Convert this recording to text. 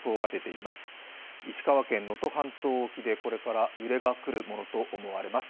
石川県能登半島沖でこれから揺れがくるものと思われます。